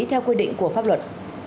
theo quy định của pháp luật